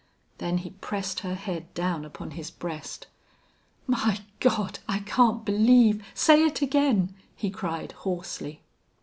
Then he pressed her head down upon his breast. "My God! I can't believe! Say it again!" he cried, hoarsely.